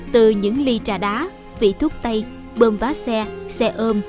từ những ly trà đá vị thuốc tây bơm vá xe xe ôm